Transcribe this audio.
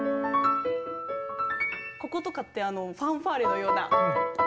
こことかってファンファーレのような。